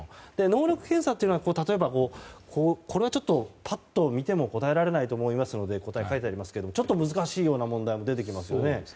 能力検査というのは例えば、これはパッと見ても答えられないと思いますので答えが書いてありますがちょっと難しいような問題も出ていますよね。